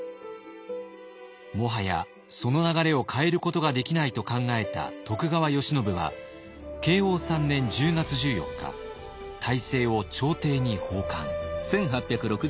もはやその流れを変えることができないと考えた徳川慶喜は慶応３年１０月１４日大政を朝廷に奉還。